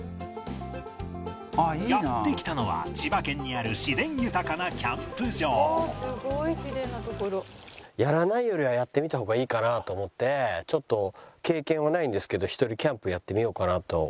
やって来たのは千葉県にある自然豊かなキャンプ場やらないよりはやってみた方がいいかなと思ってちょっと経験はないんですけどひとりキャンプやってみようかなと。